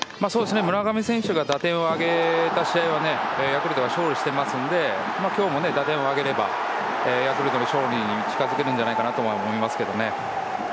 村上選手が打点を挙げた試合はヤクルトが勝利してますので今日も打点を挙げればヤクルトの勝利に近づけるんじゃないかとは思いますけどね。